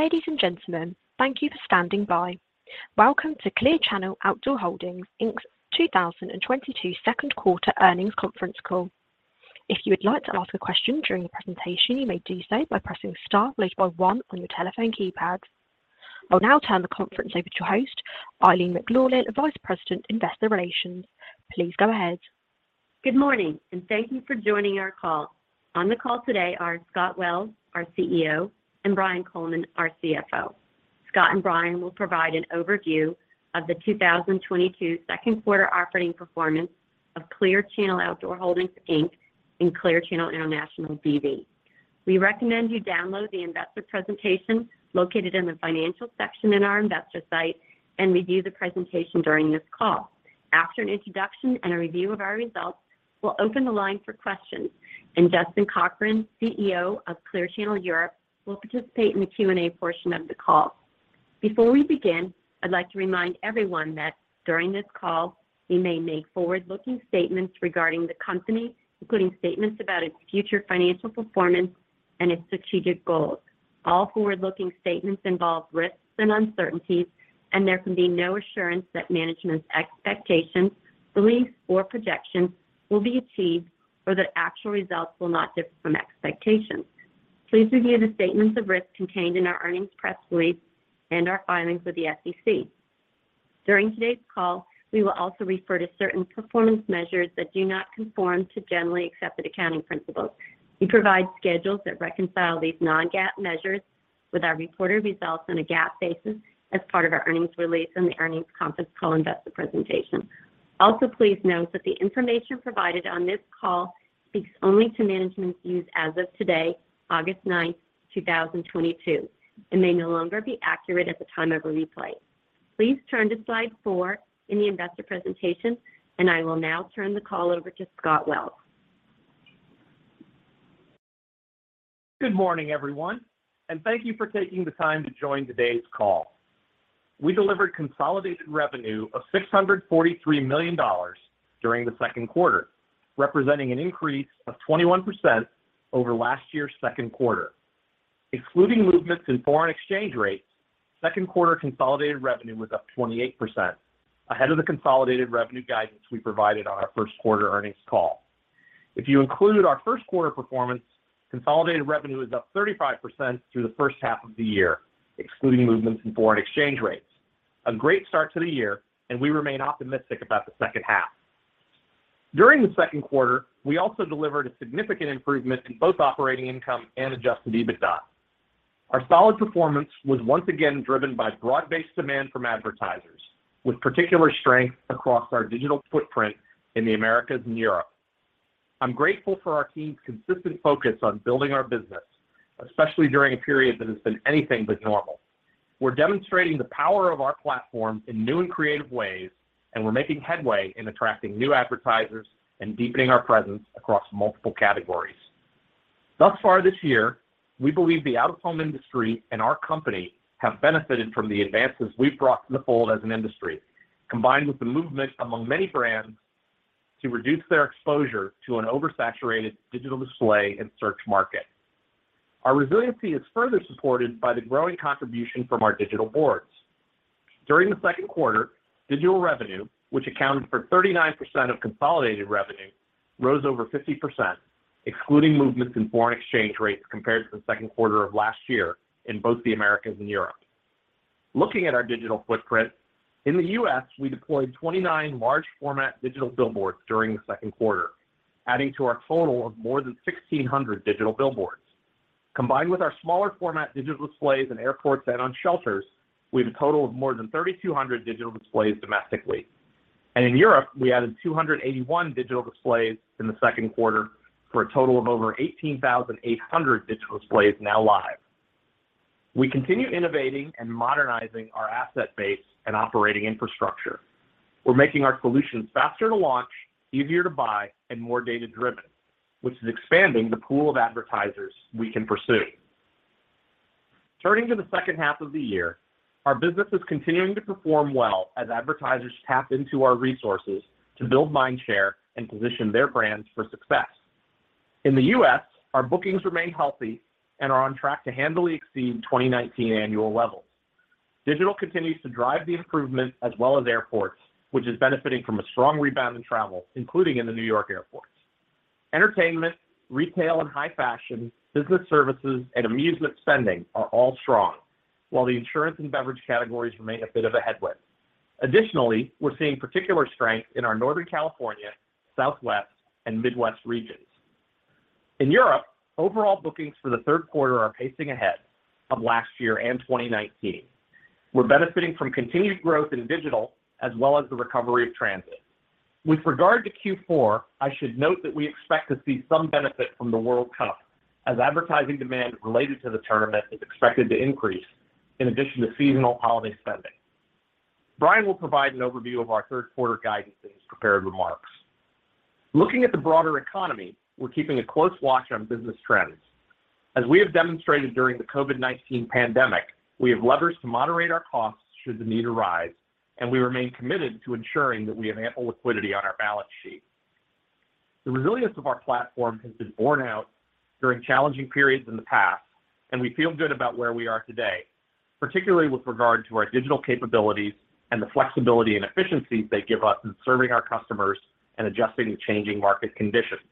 Ladies and gentlemen, thank you for standing by. Welcome to Clear Channel Outdoor Holdings, Inc's 2022 second quarter earnings conference call. If you would like to ask a question during the presentation, you may do so by pressing star followed by one on your telephone keypad. I'll now turn the conference over to your host, Eileen McLaughlin, Vice President, Investor Relations. Please go ahead. Good morning, and thank you for joining our call. On the call today are Scott Wells, our CEO, and Brian Coleman, our CFO. Scott and Brian will provide an overview of the 2022 second quarter operating performance of Clear Channel Outdoor Holdings, Inc and Clear Channel International B.V. We recommend you download the investor presentation located in the Financial section in our investor site and review the presentation during this call. After an introduction and a review of our results, we'll open the line for questions, and Justin Cochrane, CEO of Clear Channel Europe, will participate in the Q&A portion of the call. Before we begin, I'd like to remind everyone that during this call, we may make forward-looking statements regarding the company, including statements about its future financial performance and its strategic goals. All forward-looking statements involve risks and uncertainties, and there can be no assurance that management's expectations, beliefs, or projections will be achieved or that actual results will not differ from expectations. Please review the statements of risk contained in our earnings press release and our filings with the SEC. During today's call, we will also refer to certain performance measures that do not conform to generally accepted accounting principles. We provide schedules that reconcile these non-GAAP measures with our reported results on a GAAP basis as part of our earnings release and the earnings conference call investor presentation. Also please note that the information provided on this call speaks only to management's views as of today, August 9th, 2022, and may no longer be accurate at the time of a replay. Please turn to slide four in the investor presentation, and I will now turn the call over to Scott Wells. Good morning, everyone, and thank you for taking the time to join today's call. We delivered consolidated revenue of $643 million during the second quarter, representing an increase of 21% over last year's second quarter. Excluding movements in foreign exchange rates, second quarter consolidated revenue was up 28%, ahead of the consolidated revenue guidance we provided on our first quarter earnings call. If you include our first quarter performance, consolidated revenue is up 35% through the first half of the year, excluding movements in foreign exchange rates. A great start to the year, and we remain optimistic about the second half. During the second quarter, we also delivered a significant improvement in both operating income and Adjusted EBITDA. Our solid performance was once again driven by broad-based demand from advertisers, with particular strength across our digital footprint in the Americas and Europe. I'm grateful for our team's consistent focus on building our business, especially during a period that has been anything but normal. We're demonstrating the power of our platform in new and creative ways, and we're making headway in attracting new advertisers and deepening our presence across multiple categories. Thus far this year, we believe the out-of-home industry and our company have benefited from the advances we've brought to the fold as an industry, combined with the movement among many brands to reduce their exposure to an oversaturated digital display and search market. Our resiliency is further supported by the growing contribution from our digital boards. During the second quarter, digital revenue, which accounted for 39% of consolidated revenue, rose over 50%, excluding movements in foreign exchange rates compared to the second quarter of last year in both the Americas and Europe. Looking at our digital footprint, in the U.S., we deployed 29 large format digital billboards during the second quarter, adding to our total of more than 1,600 digital billboards. Combined with our smaller format digital displays in airports and on shelters, we have a total of more than 3,200 digital displays domestically. In Europe, we added 281 digital displays in the second quarter for a total of over 18,800 digital displays now live. We continue innovating and modernizing our asset base and operating infrastructure. We're making our solutions faster to launch, easier to buy, and more data-driven, which is expanding the pool of advertisers we can pursue. Turning to the second half of the year, our business is continuing to perform well as advertisers tap into our resources to build mind share and position their brands for success. In the U.S., our bookings remain healthy and are on track to handily exceed 2019 annual levels. Digital continues to drive the improvement as well as airports, which is benefiting from a strong rebound in travel, including in the New York airports. Entertainment, retail and high fashion, business services, and amusement spending are all strong, while the insurance and beverage categories remain a bit of a headwind. Additionally, we're seeing particular strength in our Northern California, Southwest, and Midwest regions. In Europe, overall bookings for the third quarter are pacing ahead of last year and 2019. We're benefiting from continued growth in digital as well as the recovery of transit. With regard to Q4, I should note that we expect to see some benefit from the World Cup as advertising demand related to the tournament is expected to increase in addition to seasonal holiday spending. Brian will provide an overview of our third quarter guidance in his prepared remarks. Looking at the broader economy, we're keeping a close watch on business trends. As we have demonstrated during the COVID-19 pandemic, we have levers to moderate our costs should the need arise, and we remain committed to ensuring that we have ample liquidity on our balance sheet. The resilience of our platform has been borne out during challenging periods in the past, and we feel good about where we are today, particularly with regard to our digital capabilities and the flexibility and efficiency they give us in serving our customers and adjusting to changing market conditions.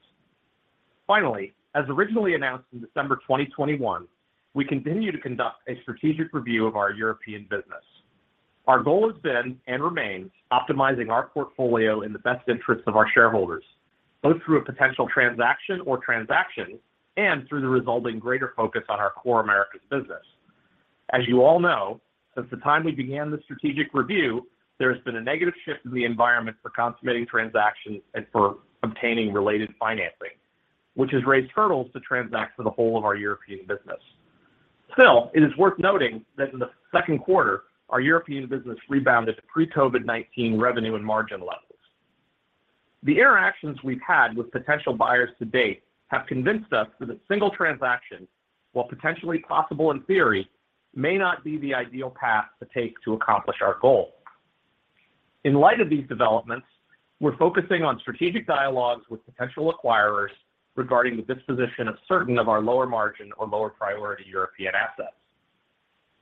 Finally, as originally announced in December 2021, we continue to conduct a strategic review of our European business. Our goal has been and remains optimizing our portfolio in the best interest of our shareholders, both through a potential transaction or transactions, and through the resulting greater focus on our core Americas business. As you all know, since the time we began the strategic review, there has been a negative shift in the environment for consummating transactions and for obtaining related financing, which has raised hurdles to transact for the whole of our European business. Still, it is worth noting that in the second quarter, our European business rebounded to pre-COVID-19 revenue and margin levels. The interactions we've had with potential buyers to date have convinced us that a single transaction, while potentially possible in theory, may not be the ideal path to take to accomplish our goal. In light of these developments, we're focusing on strategic dialogues with potential acquirers regarding the disposition of certain of our lower margin or lower priority European assets.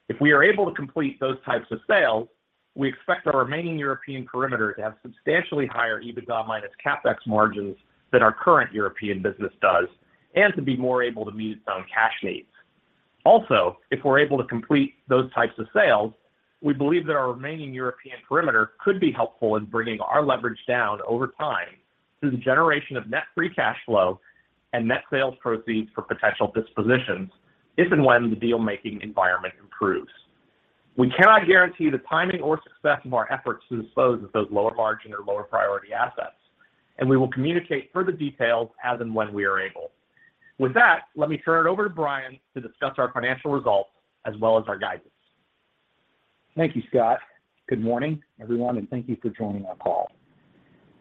If we are able to complete those types of sales, we expect our remaining European perimeter to have substantially higher EBITDA minus CapEx margins than our current European business does, and to be more able to meet its own cash needs. Also, if we're able to complete those types of sales, we believe that our remaining European perimeter could be helpful in bringing our leverage down over time through the generation of net free cash flow and net sales proceeds for potential dispositions if and when the deal-making environment improves. We cannot guarantee the timing or success of our efforts to dispose of those lower margin or lower priority assets, and we will communicate further details as and when we are able. With that, let me turn it over to Brian to discuss our financial results as well as our guidance. Thank you, Scott. Good morning, everyone, and thank you for joining our call.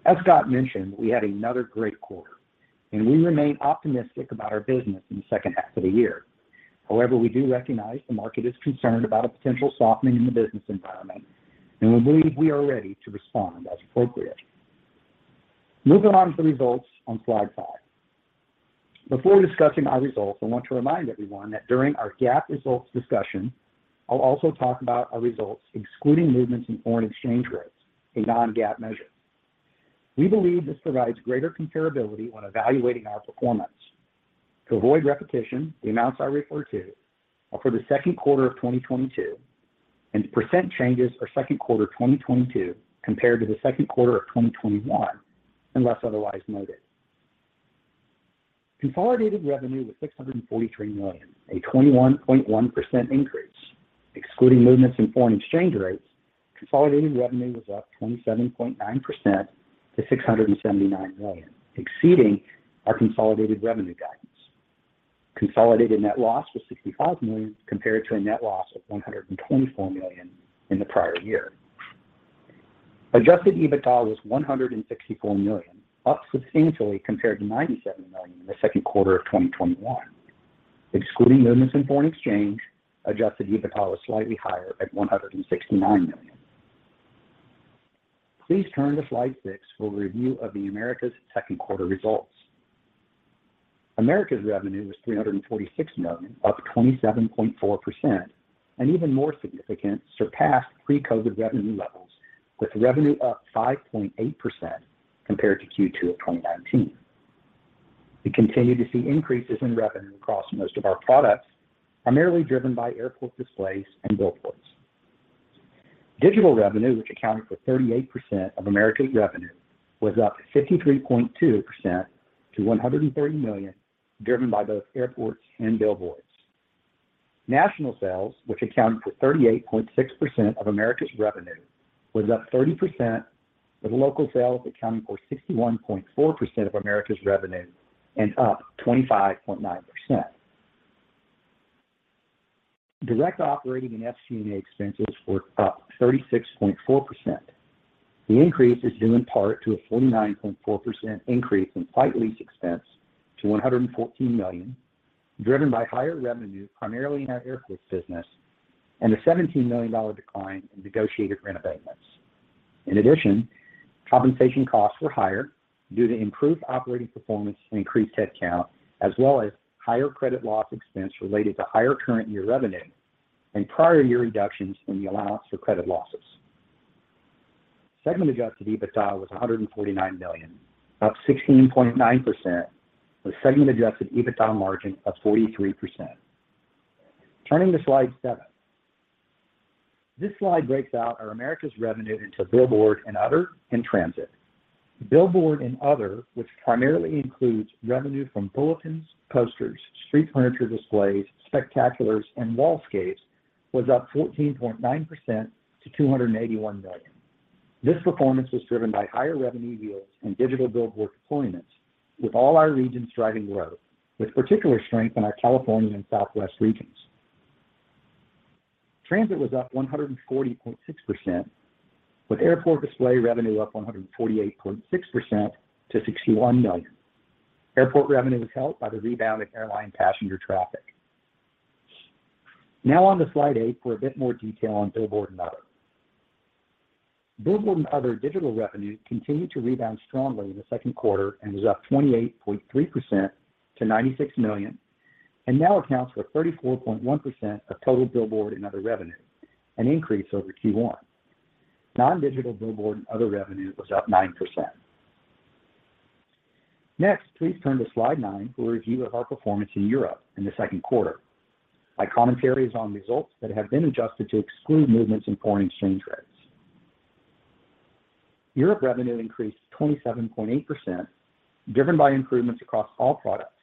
As Scott mentioned, we had another great quarter, and we remain optimistic about our business in the second half of the year. However, we do recognize the market is concerned about a potential softening in the business environment, and we believe we are ready to respond as appropriate. Moving on to the results on slide 5. Before discussing our results, I want to remind everyone that during our GAAP results discussion, I'll also talk about our results excluding movements in foreign exchange rates, a non-GAAP measure. We believe this provides greater comparability when evaluating our performance. To avoid repetition, the amounts I refer to are for the second quarter of 2022, and percent changes are second quarter 2022 compared to the second quarter of 2021, unless otherwise noted. Consolidated revenue was $643 million, a 21.1% increase. Excluding movements in foreign exchange rates, consolidated revenue was up 27.9% to $679 million, exceeding our consolidated revenue guidance. Consolidated net loss was $65 million, compared to a net loss of $124 million in the prior year. Adjusted EBITDA was $164 million, up substantially compared to $97 million in the second quarter of 2021. Excluding movements in foreign exchange, Adjusted EBITDA was slightly higher at $169 million. Please turn to slide six for a review of the Americas second quarter results. Americas revenue was $346 million, up 27.4%, and even more significant, surpassed pre-COVID revenue levels, with revenue up 5.8% compared to Q2 of 2019. We continue to see increases in revenue across most of our products, primarily driven by airport displays and billboards. Digital revenue, which accounted for 38% of Americas revenue, was up 53.2% to $130 million, driven by both airports and billboards. National sales, which accounted for 38.6% of Americas revenue, was up 30%, with local sales accounting for 61.4% of Americas revenue and up 25.9%. Direct operating and SG&A expenses were up 36.4%. The increase is due in part to a 49.4% increase in site lease expense to $114 million, driven by higher revenue primarily in our airports business and a $17 million decline in negotiated rent abatements. In addition, compensation costs were higher due to improved operating performance and increased head count, as well as higher credit loss expense related to higher current year revenue and prior year reductions in the allowance for credit losses. Segment Adjusted EBITDA was $149 million, up 16.9%, with segment Adjusted EBITDA margin up 43%. Turning to slide seven. This slide breaks out our Americas revenue into billboard and other, and transit. Billboard and other, which primarily includes revenue from bulletins, posters, street furniture displays, spectaculars, and wallscapes, was up 14.9% to $281 million. This performance was driven by higher revenue yields and digital billboard deployments, with all our regions driving growth, with particular strength in our California and Southwest regions. Transit was up 140.6%, with airport display revenue up 148.6% to $61 million. Airport revenue was helped by the rebound in airline passenger traffic. Now on to slide eight for a bit more detail on Billboard and other. Billboard and other digital revenue continued to rebound strongly in the second quarter and was up 28.3% to $96 million, and now accounts for 34.1% of total Billboard and other revenue, an increase over Q1. Non-digital billboard and other revenue was up 9%. Next, please turn to slide nine for a review of our performance in Europe in the second quarter. My commentary is on results that have been adjusted to exclude movements in foreign exchange rates. Europe revenue increased 27.8%, driven by improvements across all products,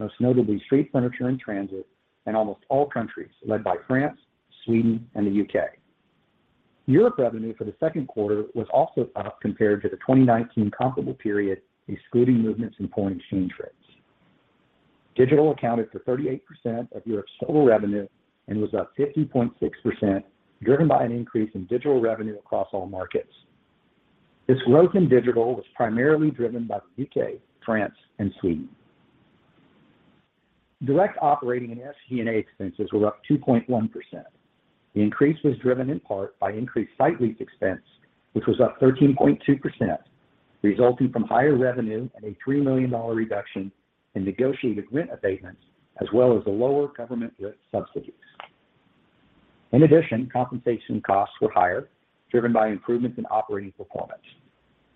most notably street furniture and transit, and almost all countries, led by France, Sweden, and the U.K. Europe revenue for the second quarter was also up compared to the 2019 comparable period, excluding movements in foreign exchange rates. Digital accounted for 38% of Europe's total revenue and was up 50.6%, driven by an increase in digital revenue across all markets. This growth in digital was primarily driven by the U.K., France, and Sweden. Direct operating and SG&A expenses were up 2.1%. The increase was driven in part by increased site lease expense, which was up 13.2%, resulting from higher revenue and a $3 million reduction in negotiated rent abatements, as well as the lower government rent subsidies. In addition, compensation costs were higher, driven by improvements in operating performance.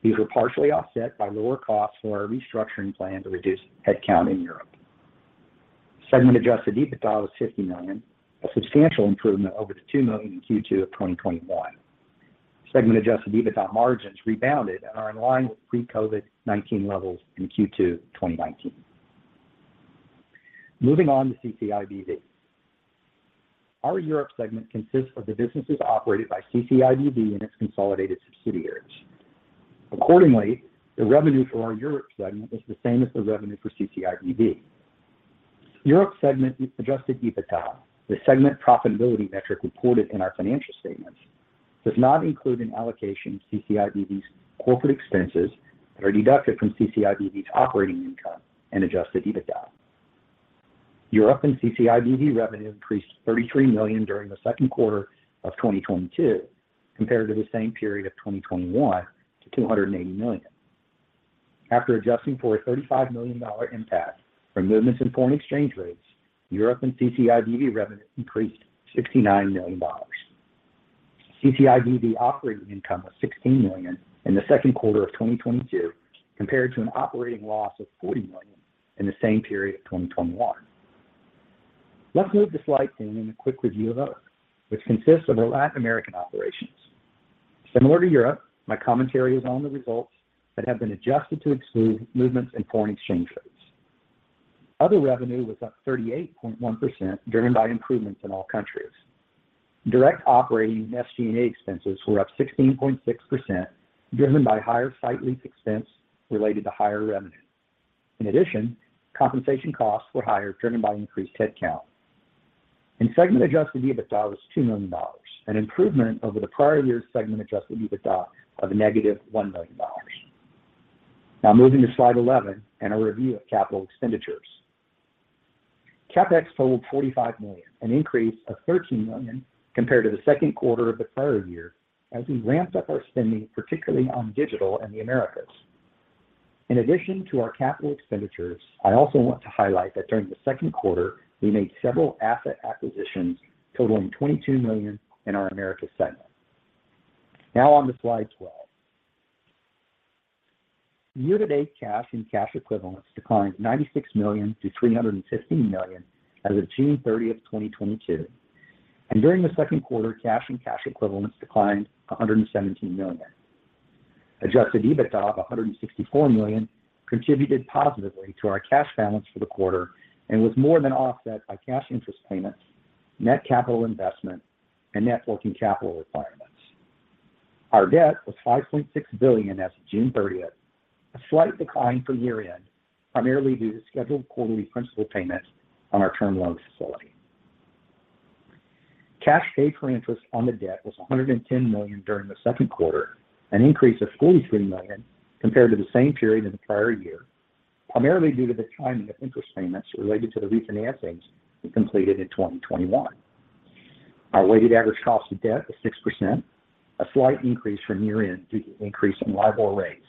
These were partially offset by lower costs for our restructuring plan to reduce headcount in Europe. Segment Adjusted EBITDA was $50 million, a substantial improvement over the $2 million in Q2 of 2021. Segment Adjusted EBITDA margins rebounded and are in line with pre-COVID-19 levels in Q2 2019. Moving on to CCIBV. Our Europe segment consists of the businesses operated by CCIBV and its consolidated subsidiaries. Accordingly, the revenue for our Europe segment is the same as the revenue for CCIBV. Europe segment Adjusted EBITDA, the segment profitability metric reported in our financial statements, does not include an allocation of CCIBV's corporate expenses that are deducted from CCIBV's operating income and Adjusted EBITDA. Europe and CCIBV revenue increased $33 million during the second quarter of 2022 compared to the same period of 2021 to $280 million. After adjusting for a $35 million impact from movements in foreign exchange rates, Europe and CCIBV revenue increased $69 million. CCIBV operating income was $16 million in the second quarter of 2022 compared to an operating loss of $40 million in the same period of 2021. Let's move to slide 10 and a quick review of other, which consists of our Latin American operations. Similar to Europe, my commentary is on the results that have been adjusted to exclude movements in foreign exchange rates. Other revenue was up 38.1%, driven by improvements in all countries. Direct operating and SG&A expenses were up 16.6%, driven by higher site lease expense related to higher revenue. In addition, compensation costs were higher, driven by increased headcount. Segment Adjusted EBITDA was $2 million, an improvement over the prior year's segment Adjusted EBITDA of -$1 million. Now moving to slide 11 and a review of capital expenditures. CapEx totaled $45 million, an increase of $13 million compared to the second quarter of the prior year as we ramped up our spending, particularly on digital in the Americas. In addition to our capital expenditures, I also want to highlight that during the second quarter, we made several asset acquisitions totaling $22 million in our Americas segment. Now on to slide 12. Year-to-date, cash and cash equivalents declined $96 million-$315 million as of June 30th, 2022. During the second quarter, cash and cash equivalents declined $117 million. Adjusted EBITDA of $164 million contributed positively to our cash balance for the quarter and was more than offset by cash interest payments, net capital investment, and net working capital requirements. Our debt was $5.6 billion as of June thirtieth, a slight decline from year-end, primarily due to scheduled quarterly principal payments on our term loan facility. Cash paid for interest on the debt was $110 million during the second quarter, an increase of $43 million compared to the same period in the prior year, primarily due to the timing of interest payments related to the refinancings we completed in 2021. Our weighted average cost of debt was 6%, a slight increase from year-end due to increase in LIBOR rates.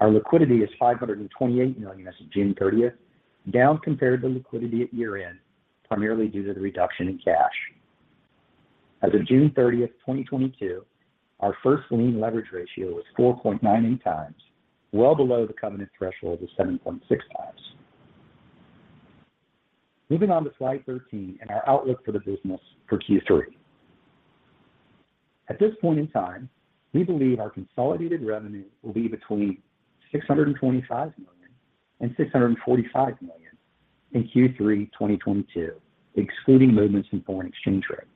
Our liquidity is $528 million as of June 30th, down compared to liquidity at year-end, primarily due to the reduction in cash. As of June 30th, 2022, our first lien leverage ratio was 4.98x, well below the covenant threshold of 7.6x. Moving on to slide 13 and our outlook for the business for Q3. At this point in time, we believe our consolidated revenue will be between $625 million and $645 million in Q3 2022, excluding movements in foreign exchange rates.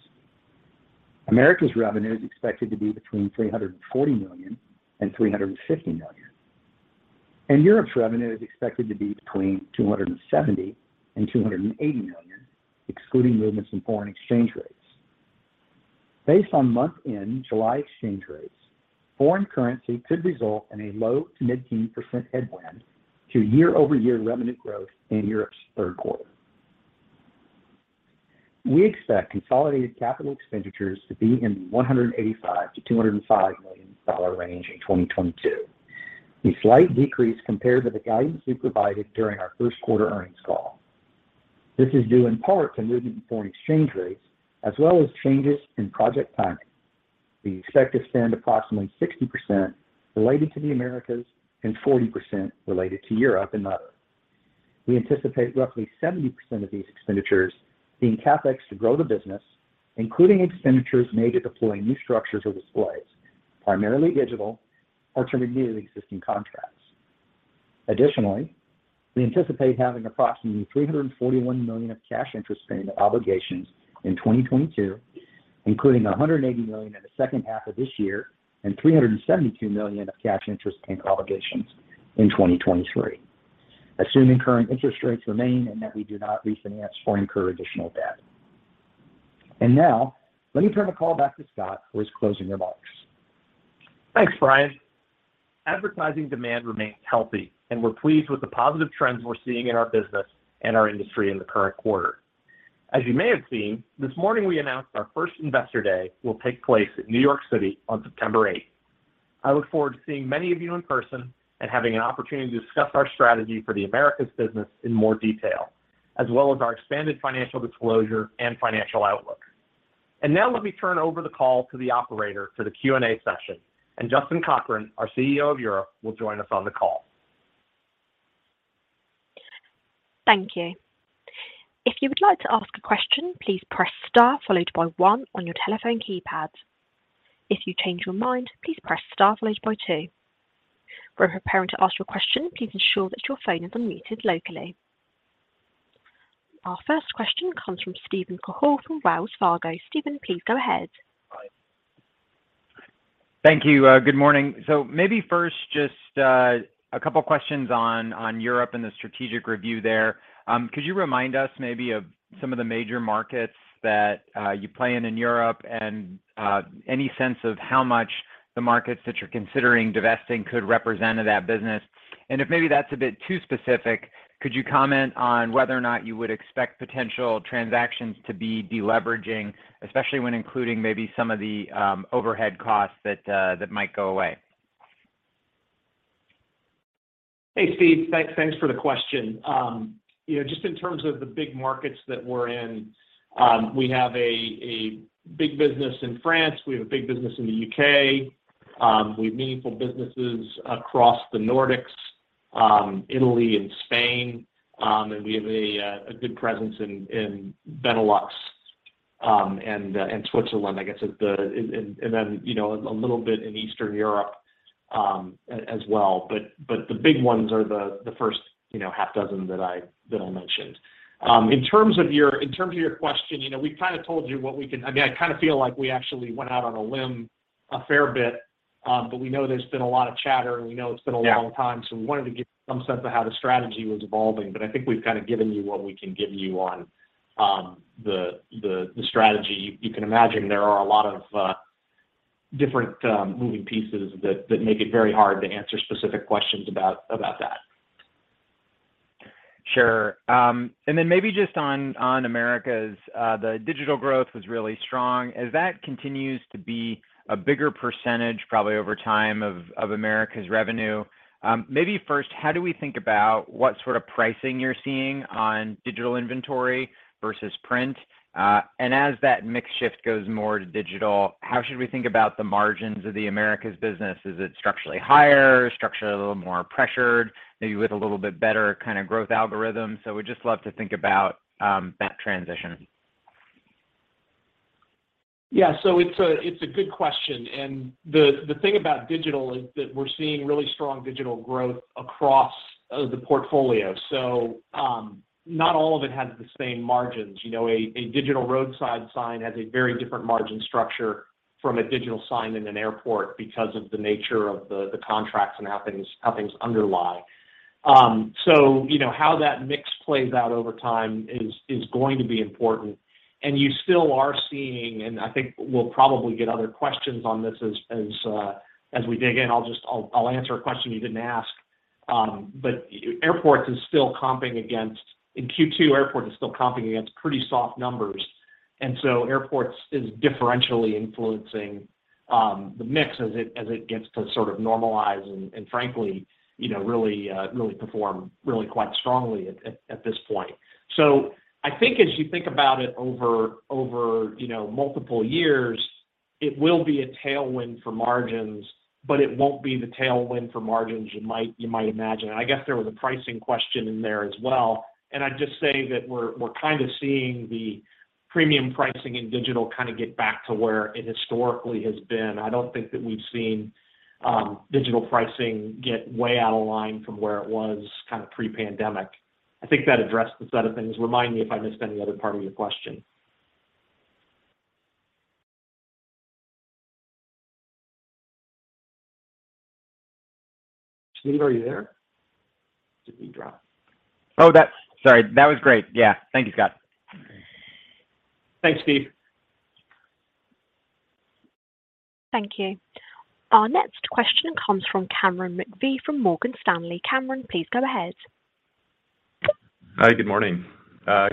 Americas revenue is expected to be between $340 million and $350 million. Europe's revenue is expected to be between $270 million and $280 million, excluding movements in foreign exchange rates. Based on month-end July exchange rates, foreign currency could result in a low to mid-teen percent headwind to year-over-year revenue growth in Europe's third quarter. We expect consolidated capital expenditures to be in the $185 million-$205 million range in 2022. A slight decrease compared to the guidance we provided during our first quarter earnings call. This is due in part to movement in foreign exchange rates, as well as changes in project timing. We expect to spend approximately 60% related to the Americas and 40% related to Europe and other. We anticipate roughly 70% of these expenditures being CapEx to grow the business, including expenditures made to deploy new structures or displays, primarily digital or to renew existing contracts. Additionally, we anticipate having approximately $341 million of cash interest payment obligations in 2022, including $180 million in the second half of this year and $372 million of cash interest payment obligations in 2023, assuming current interest rates remain and that we do not refinance or incur additional debt. Now, let me turn the call back to Scott for his closing remarks. Thanks, Brian. Advertising demand remains healthy, and we're pleased with the positive trends we're seeing in our business and our industry in the current quarter. As you may have seen, this morning we announced our first Investor Day will take place in New York City on September 8th. I look forward to seeing many of you in person and having an opportunity to discuss our strategy for the Americas business in more detail, as well as our expanded financial disclosure and financial outlook. Now let me turn over the call to the operator for the Q&A session. Justin Cochrane, our CEO of Europe, will join us on the call. Thank you. If you would like to ask a question, please press star followed by one on your telephone keypads. If you change your mind, please press star followed by two. When preparing to ask your question, please ensure that your phone is unmuted locally. Our first question comes from Steven Cahall from Wells Fargo. Steven, please go ahead. Hi. Thank you. Good morning. Maybe first, just a couple of questions on Europe and the strategic review there. Could you remind us maybe of some of the major markets that you play in Europe and any sense of how much the markets that you're considering divesting could represent of that business? If maybe that's a bit too specific, could you comment on whether or not you would expect potential transactions to be deleveraging, especially when including maybe some of the overhead costs that that might go away? Hey, Steve. Thanks for the question. You know, just in terms of the big markets that we're in, we have a big business in France. We have a big business in the U.K. We have meaningful businesses across the Nordics, Italy and Spain. We have a good presence in Benelux, and then, you know, a little bit in Eastern Europe, as well. The big ones are the first, you know, half dozen that I mentioned. In terms of your question, you know, we've kind of told you what we can. I mean, I kind of feel like we actually went out on a limb a fair bit, but we know there's been a lot of chatter, and we know it's been a long time. Yeah. We wanted to give you some sense of how the strategy was evolving. I think we've kind of given you what we can give you on the strategy. You can imagine there are a lot of different moving pieces that make it very hard to answer specific questions about that. Sure. Maybe just on Americas, the digital growth was really strong. As that continues to be a bigger percentage, probably over time of Americas revenue, maybe first, how do we think about what sort of pricing you're seeing on digital inventory versus print? As that mix shift goes more to digital, how should we think about the margins of the Americas business? Is it structurally higher, structurally a little more pressured, maybe with a little bit better kind of growth algorithm? We just love to think about that transition. Yeah. It's a good question. The thing about digital is that we're seeing really strong digital growth across the portfolio. Not all of it has the same margins. You know, a digital roadside sign has a very different margin structure from a digital sign in an airport because of the nature of the contracts and how things underlie. You know, how that mix plays out over time is going to be important. You still are seeing, and I think we'll probably get other questions on this as we dig in. I'll just answer a question you didn't ask. Airports is still comping against. In Q2, Airports is still comping against pretty soft numbers. Airports is differentially influencing the mix as it gets to sort of normalize and frankly, you know, really perform quite strongly at this point. I think as you think about it over you know, multiple years, it will be a tailwind for margins, but it won't be the tailwind for margins you might imagine. I guess there was a pricing question in there as well. I'd just say that we're kind of seeing the premium pricing in digital kind of get back to where it historically has been. I don't think that we've seen digital pricing get way out of line from where it was kind of pre-pandemic. I think that addressed the set of things. Remind me if I missed any other part of your question. Steve, are you there? Did we drop? Sorry, that was great. Yeah. Thank you, Scott. Thanks, Steve. Thank you. Our next question comes from Cameron McVeigh from Morgan Stanley. Cameron, please go ahead. Hi, good morning.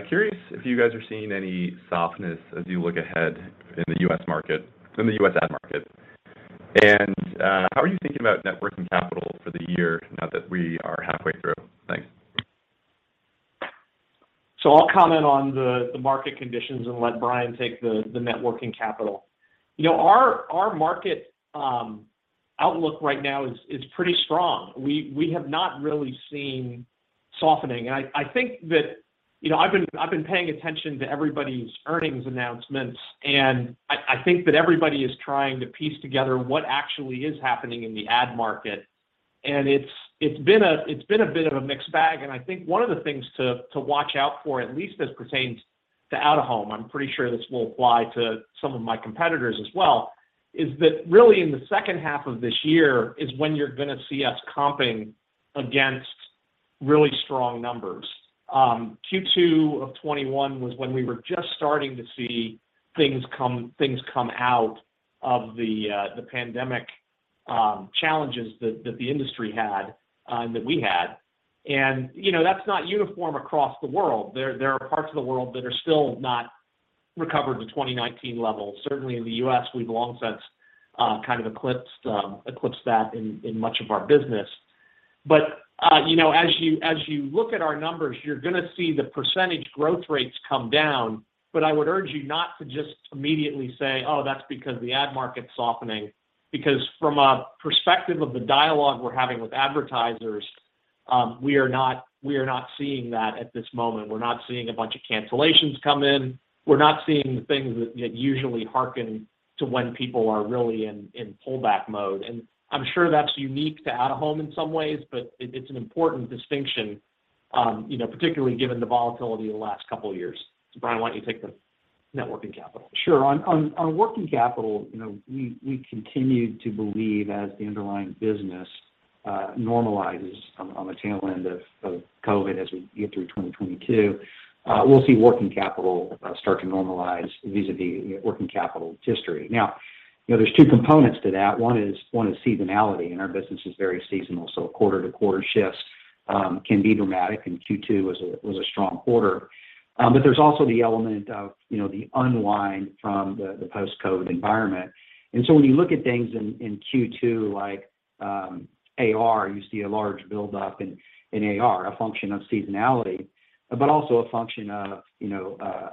Curious if you guys are seeing any softness as you look ahead in the U.S. ad market. How are you thinking about working capital for the year now that we are halfway through? Thanks. I'll comment on the market conditions and let Brian take the working capital. You know, our market outlook right now is pretty strong. We have not really seen softening. I think that you know, I've been paying attention to everybody's earnings announcements, and I think that everybody is trying to piece together what actually is happening in the ad market. It's been a bit of a mixed bag. I think one of the things to watch out for, at least as pertains to out-of-home, I'm pretty sure this will apply to some of my competitors as well, is that really in the second half of this year is when you're gonna see us comping against really strong numbers. Q2 of 2021 was when we were just starting to see things come out of the pandemic challenges that the industry had, that we had. You know, that's not uniform across the world. There are parts of the world that are still not recovered to 2019 levels. Certainly in the U.S., we've long since kind of eclipsed that in much of our business. You know, as you look at our numbers, you're gonna see the percentage growth rates come down. I would urge you not to just immediately say, "Oh, that's because the ad market's softening." Because from a perspective of the dialogue we're having with advertisers, we are not seeing that at this moment. We're not seeing a bunch of cancellations come in. We're not seeing the things that usually hearken to when people are really in pullback mode. I'm sure that's unique to out-of-home in some ways, but it's an important distinction, you know, particularly given the volatility of the last couple of years. Brian, why don't you take the working capital? Sure. On working capital, you know, we continue to believe as the underlying business normalizes on the tail end of COVID as we get through 2022, we'll see working capital start to normalize vis-à-vis working capital history. Now, you know, there's two components to that. One is seasonality, and our business is very seasonal, so quarter-to-quarter shifts can be dramatic, and Q2 was a strong quarter. There's also the element of, you know, the unwind from the post-COVID environment. And so, when you look at things in Q2, like AR, you see a large buildup in AR, a function of seasonality, but also a function of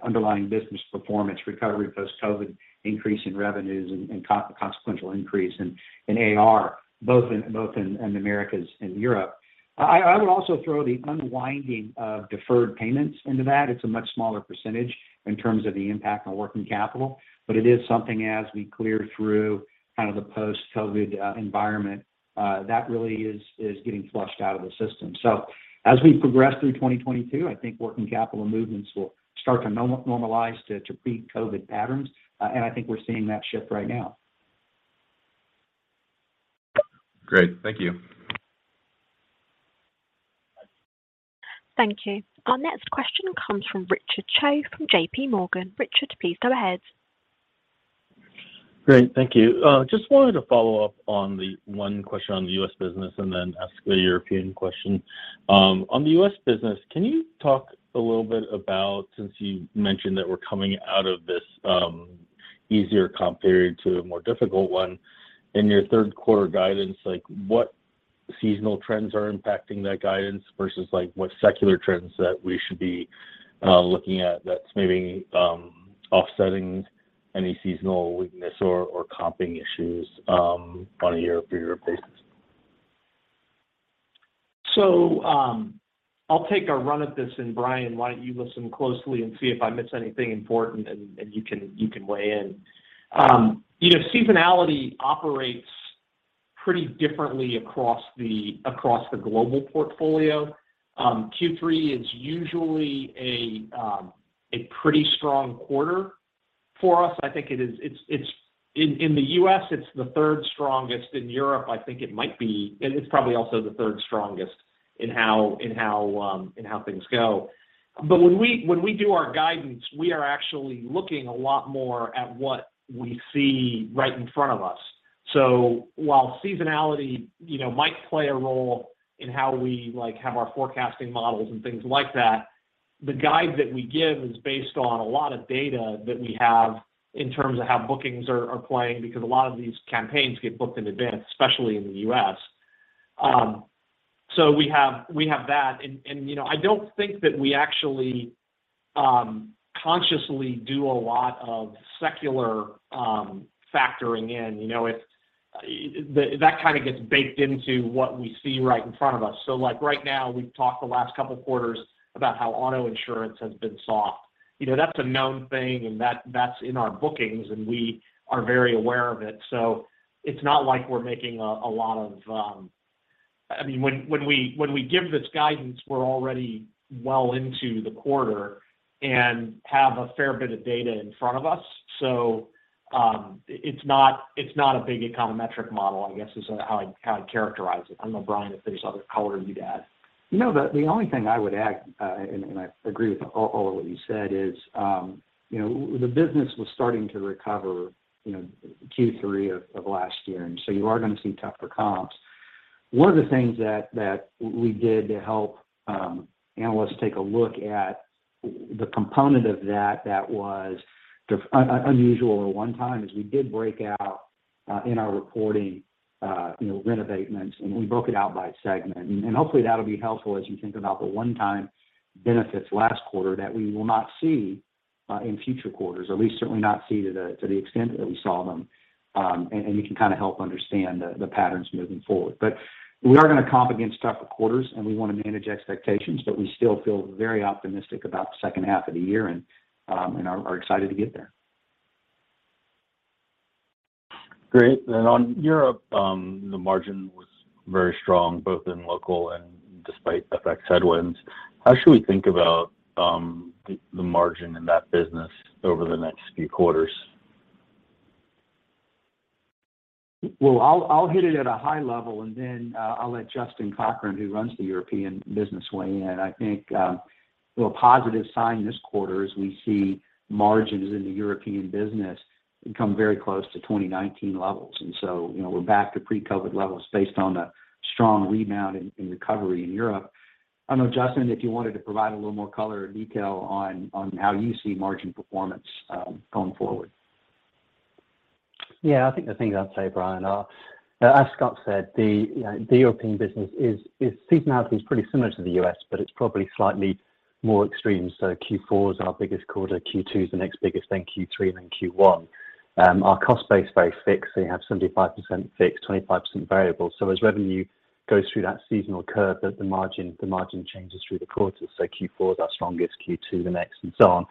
underlying business performance, recovery post-COVID, increase in revenues and consequential increase in AR, both in Americas and Europe. I would also throw the unwinding of deferred payments into that. It's a much smaller percentage in terms of the impact on working capital, but it is something as we clear through kind of the post-COVID environment that really is getting flushed out of the system. as we progress through 2022, I think working capital movements will start to normalize to pre-COVID patterns, and I think we're seeing that shift right now. Great. Thank you. Thank you. Our next question comes from Richard Choe from JPMorgan. Richard, please go ahead. Great. Thank you. Just wanted to follow up on the one question on the U.S. business and then ask a European question. On the U.S. business, can you talk a little bit about, since you mentioned that we're coming out of this, easier comp period to a more difficult one, in your third quarter guidance, like what seasonal trends are impacting that guidance versus like what secular trends that we should be looking at that's maybe offsetting any seasonal weakness or comping issues, on a year-over-year basis? I'll take a run at this, and Brian, why don't you listen closely and see if I miss anything important and you can weigh in. You know, seasonality operates pretty differently across the global portfolio. Q3 is usually a pretty strong quarter for us. I think it is. In the U.S., it's the third strongest. In Europe, I think it might be. It's probably also the third strongest in how things go. When we do our guidance, we are actually looking a lot more at what we see right in front of us. While seasonality, you know, might play a role in how we like have our forecasting models and things like that, the guide that we give is based on a lot of data that we have in terms of how bookings are playing, because a lot of these campaigns get booked in advance, especially in the U.S. We have that. You know, I don't think that we actually consciously do a lot of secular factoring in. You know, that kind of gets baked into what we see right in front of us. Like, right now, we've talked the last couple of quarters about how auto insurance has been soft. You know, that's a known thing, and that's in our bookings, and we are very aware of it. It's not like we're making a lot of, I mean, when we give this guidance, we're already well into the quarter and have a fair bit of data in front of us. It's not a big econometric model, I guess is how I'd characterize it. I don't know, Brian, if there's other color you'd add. No. The only thing I would add, and I agree with all of what you said, is, you know, the business was starting to recover, you know, Q3 of last year, and so you are gonna see tougher comps. One of the things that we did to help analysts take a look at the component of that that was unusual or one-time is we did break out, in our reporting, you know, rent abatements, and we broke it out by segment. Hopefully that'll be helpful as you think about the one-time benefits last quarter that we will not see in future quarters, at least certainly not see to the extent that we saw them. You can kind of help understand the patterns moving forward. We are gonna comp against tougher quarters, and we wanna manage expectations, but we still feel very optimistic about the second half of the year and are excited to get there. Great. On Europe, the margin was very strong, both in local and despite FX headwinds. How should we think about the margin in that business over the next few quarters? Well, I'll hit it at a high level, and then I'll let Justin Cochrane, who runs the European business, weigh in. I think you know, a positive sign this quarter is we see margins in the European business come very close to 2019 levels. You know, we're back to pre-COVID levels based on the strong rebound in recovery in Europe. I don't know, Justin, if you wanted to provide a little more color or detail on how you see margin performance going forward. Yeah. I think the things I'd say, Brian, are, as Scott said, its seasonality is pretty similar to the U.S., but it's probably slightly more extreme. Q4 is our biggest quarter. Q2 is the next biggest, then Q3, and then Q1. Our cost base is very fixed, so you have 75% fixed, 25% variable. As revenue goes through that seasonal curve, the margin changes through the quarter. Q4 is our strongest, Q2 the next, and so on.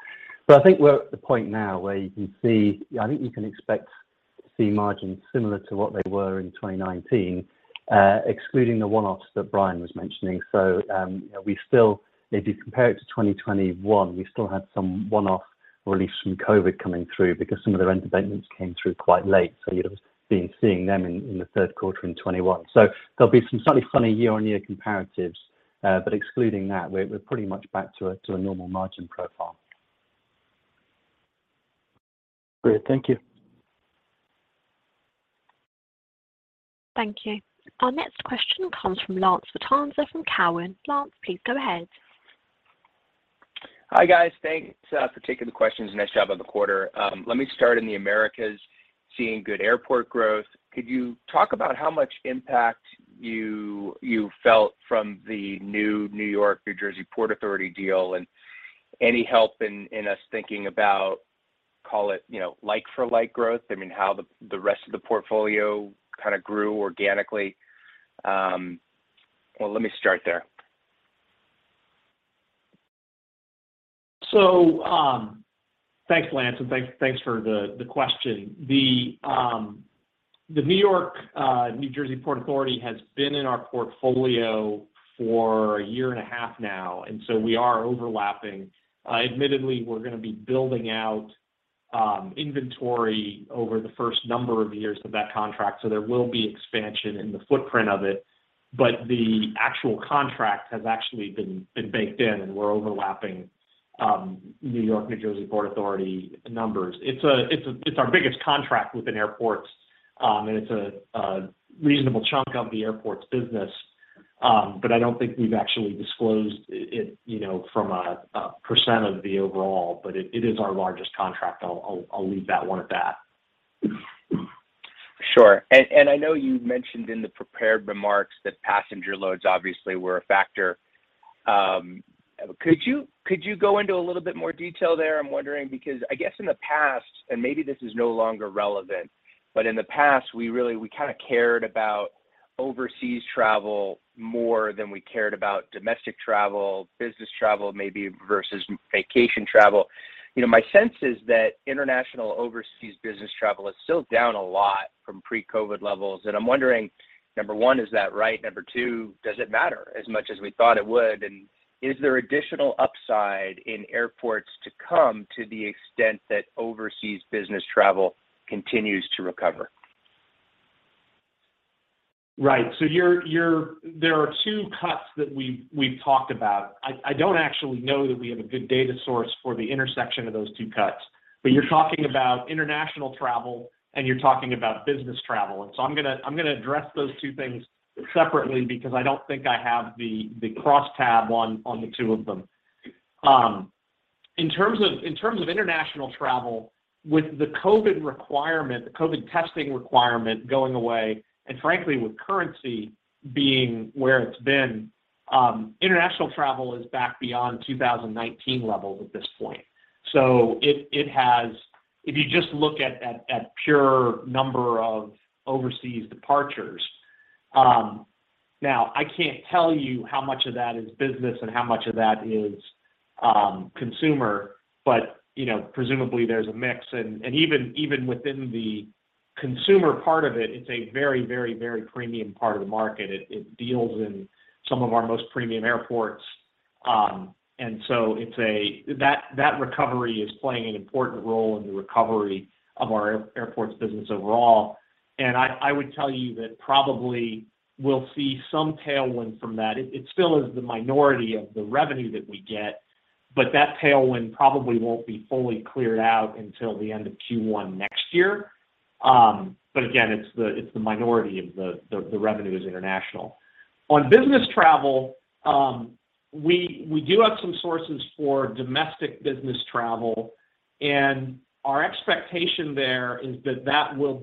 I think we're at the point now where you can see. I think you can expect to see margins similar to what they were in 2019, excluding the one-offs that Brian was mentioning. You know, if you compare it to 2021, we still had some one-off release from COVID coming through because some of the rent abatements came through quite late. You'd have been seeing them in the third quarter in 2021. There'll be some slightly funny year-on-year comparatives. But excluding that, we're pretty much back to a normal margin profile. Great. Thank you. Thank you. Our next question comes from Lance Vitanza from Cowen. Lance, please go ahead. Hi, guys. Thanks for taking the questions. Nice job on the quarter. Let me start in the Americas, seeing good airport growth. Could you talk about how much impact you felt from the new Port Authority of New York and New Jersey deal, and any help in us thinking about, call it, you know, like for like growth? I mean, how the rest of the portfolio kind of grew organically. Well, let me start there. Thanks, Lance, and thanks for the question. The Port Authority of New York and New Jersey has been in our portfolio for a year and a half now, and we are overlapping. Admittedly, we're gonna be building out inventory over the first number of years of that contract, so there will be expansion in the footprint of it. The actual contract has actually been baked in, and we're overlapping New York, New Jersey Port Authority numbers. It's our biggest contract within airports, and it's a reasonable chunk of the airports business, but I don't think we've actually disclosed it, you know, from a percent of the overall. It is our largest contract. I'll leave that one at that. Sure. I know you mentioned in the prepared remarks that passenger loads obviously were a factor. Could you go into a little bit more detail there? I'm wondering because I guess in the past, and maybe this is no longer relevant, but in the past, we really kind of cared about overseas travel more than we cared about domestic travel, business travel maybe versus vacation travel. You know, my sense is that international overseas business travel is still down a lot from pre-COVID levels, and I'm wondering, number one, is that right? Number two, does it matter as much as we thought it would? Is there additional upside in airports to come to the extent that overseas business travel continues to recover? Right. You're there are two cuts that we've talked about. I don't actually know that we have a good data source for the intersection of those two cuts. You're talking about international travel, and you're talking about business travel. I'm gonna address those two things separately because I don't think I have the crosstab on the two of them. In terms of international travel, with the COVID requirement, the COVID testing requirement going away, and frankly, with currency being where it's been, international travel is back beyond 2019 levels at this point. If you just look at pure number of overseas departures, now I can't tell you how much of that is business and how much of that is consumer, but you know, presumably there's a mix and even within the consumer part of it's a very premium part of the market. It deals in some of our most premium airports, and so it's that recovery is playing an important role in the recovery of our airports business overall. I would tell you that probably we'll see some tailwind from that. It still is the minority of the revenue that we get, but that tailwind probably won't be fully cleared out until the end of Q1 next year. Again, it's the minority of the revenue is international. On business travel, we do have some sources for domestic business travel, and our expectation there is that that will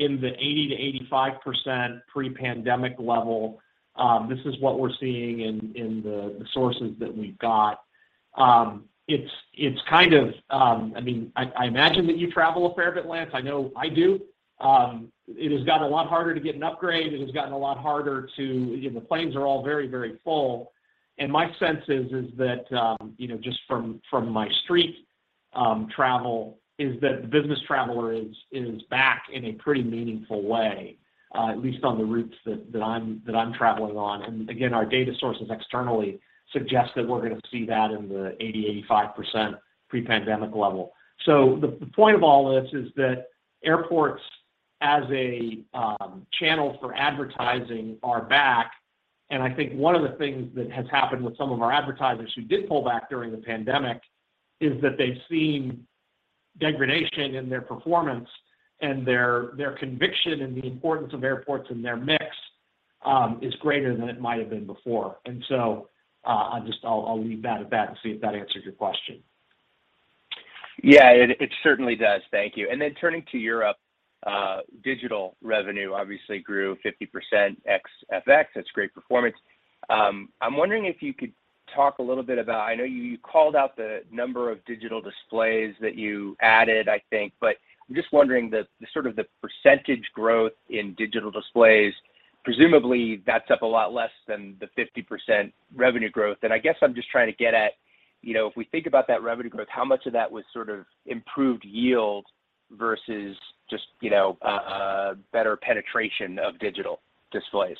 be in the 80%-85% pre-pandemic level. This is what we're seeing in the sources that we've got. It's kind of, I mean, I imagine that you travel a fair bit, Lance. I know I do. It has gotten a lot harder to get an upgrade. You know, the planes are all very full. My sense is that, you know, just from my street, travel is that the business traveler is back in a pretty meaningful way, at least on the routes that I'm traveling on. Our data sources externally suggest that we're gonna see that in the 80%-85% pre-pandemic level. The point of all this is that airports as a channel for advertising are back. I think one of the things that has happened with some of our advertisers who did pull back during the pandemic is that they've seen degradation in their performance, and their conviction in the importance of airports in their mix is greater than it might have been before. I'll leave that at that and see if that answered your question. Yeah, it certainly does. Thank you. Turning to Europe, digital revenue obviously grew 50% ex FX. That's great performance. I'm wondering if you could talk a little bit about. I know you called out the number of digital displays that you added, I think. I'm just wondering the sort of percentage growth in digital displays. Presumably, that's up a lot less than the 50% revenue growth. I guess I'm just trying to get at, you know, if we think about that revenue growth, how much of that was sort of improved yield versus just, you know, a better penetration of digital displays?